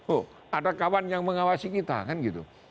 oh ada kawan yang mengawasi kita kan gitu